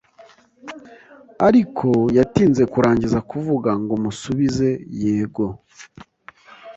ariko yatinze kurangiza kuvuga ngo musubize “Yego,